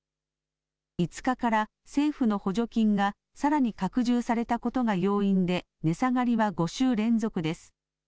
５日から政府の補助金がさらに拡充されたことが要因で値下がりは５週連続です。